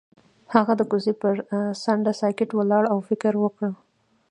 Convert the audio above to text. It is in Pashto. هغه د کوڅه پر څنډه ساکت ولاړ او فکر وکړ.